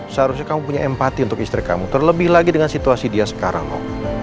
seharusnya kamu punya empati untuk istri kamu terlebih lagi dengan situasi dia sekarang om